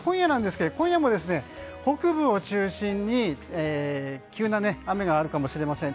今夜も北部を中心に急な雨があるかもしれません。